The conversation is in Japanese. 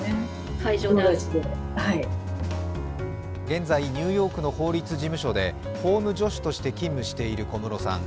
現在、ニューヨークの法律事務所で法務助手として勤務している小室さん。